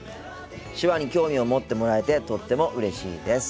手話に興味を持ってもらえてとってもうれしいです。